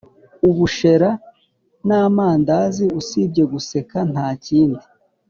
Ubushera namandazi usibye guseka ntakindi